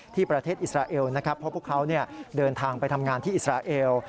ที่ประเทศอิสราเอลนะครับเพราะพวกเขาเดินทางไปทำงานที่อิสราเอล